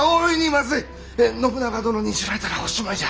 信長殿に知られたらおしまいじゃ。